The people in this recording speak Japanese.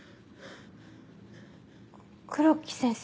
黒木先生？